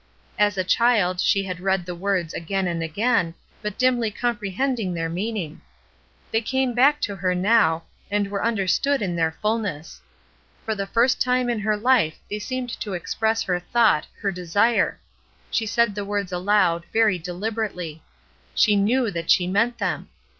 As a child she had read the words again " DELIBERATELY, AND FOREVER " 227 and again, but dimly comprehending their mean ing. They came back to her now, and were tinderstood in their fuMess. For the first time in her life they seemed to express her thought, her desire. She said the words aloud, very deliberately; she knew that she meant them.